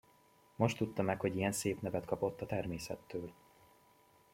Most tudta meg, hogy ilyen szép nevet kapott a természettől.